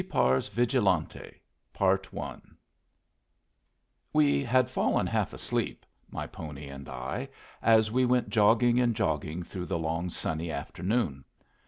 SEPAR'S VIGILANTE We had fallen half asleep, my pony and I, as we went jogging and jogging through the long sunny afternoon.